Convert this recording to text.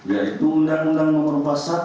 yaitu undang undang nomor satu